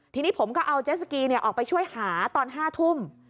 ทีนี้ผมก็เอาเจสสกีออกไปช่วยหาตอน๕ทุ่ม